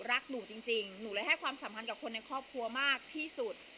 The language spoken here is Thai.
รักหนูจริงหนูเลยให้ความสัมพันธ์กับคนในครอบครัวมากที่สุด